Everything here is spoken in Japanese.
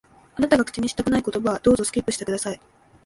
あなたが口にしたくない言葉は、どうぞ、スキップして下さい。